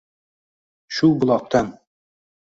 Shu buloqdan